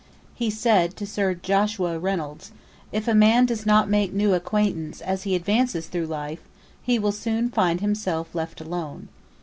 He said to Sir Joshua Reynolds, 'If a man does not make new acquaintance as he advances through life, he will soon find himself left alone.